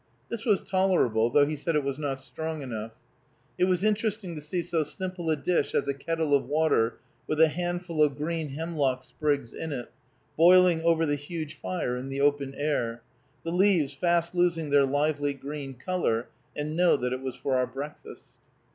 This was tolerable, though he said it was not strong enough. It was interesting to see so simple a dish as a kettle of water with a handful of green hemlock sprigs in it, boiling over the huge fire in the open air, the leaves fast losing their lively green color, and know that it was for our breakfast.